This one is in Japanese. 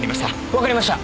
分かりました。